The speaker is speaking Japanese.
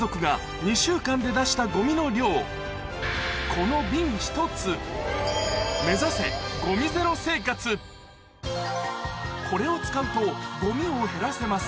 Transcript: この瓶１つこれを使うとゴミを減らせます